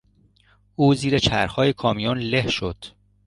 او زیر چرخهای کامیون له شد.